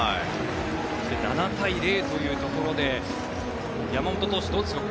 ７対０というところで山本投手、どうですか。